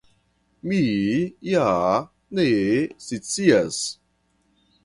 Mi ja ne scias.